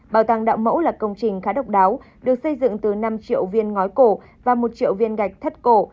bảo tàng đạo mẫu là công trình khá độc đáo được xây dựng từ năm triệu viên ngói cổ và một triệu viên gạch thất cổ